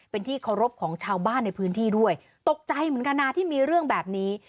เป็นที่เคารพของชาวบ้านในพื้นที่ด้วยตกใจเหมือนกันนะที่มีเรื่องแบบนี้